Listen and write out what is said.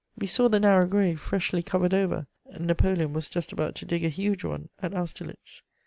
We saw the narrow grave freshly covered over: Napoleon was just about to dig a huge one at Austerlitz.